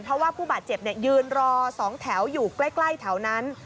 เพราะว่าผู้บาดเจ็บยืนรอ๒แถวอยู่ใกล้แถวนั้น